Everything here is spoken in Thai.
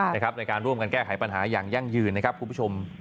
ในการร่วมกันแก้ไขปัญหาอย่างยั่งยืนนะครับคุณผู้ชม